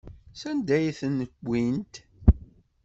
Sanda ay ten-wwint?